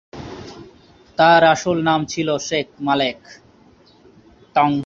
তার আসল নাম ছিল শেখ মালেক।